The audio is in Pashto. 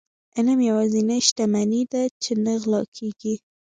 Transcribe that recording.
علم يوازنی شتمني ده چي نه غلا کيږي.